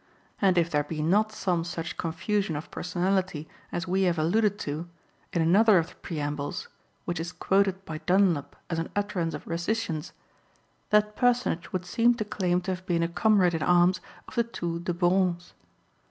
And if there be not some such confusion of personality as we have alluded to, in another of the preambles, which is quoted by Dunlop as an utterance of Rustician's, that personage would seem to claim to have been a comrade in arms of the two de Borrons.